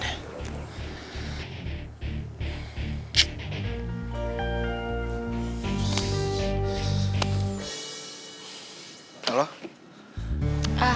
apa yang harus gue lakuin